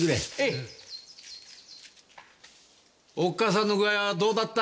おっ母さんの具合はどうだった？